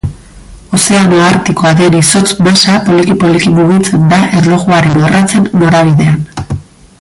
Ozeano Artikoa den izotz masa poliki-poliki mugitzen da erlojuaren orratzen norabidean.